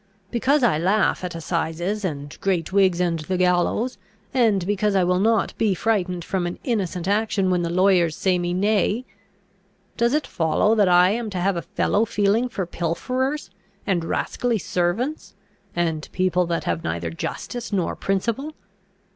Because I laugh at assizes, and great wigs, and the gallows, and because I will not be frightened from an innocent action when the lawyers say me nay, does it follow that I am to have a fellow feeling for pilferers, and rascally servants, and people that have neither justice nor principle?